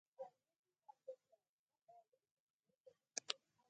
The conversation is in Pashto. د کابل سیند د افغانستان د ولایاتو په کچه توپیر لري.